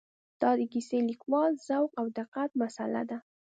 دا د کیسه لیکوالو ذوق او دقت مساله ده.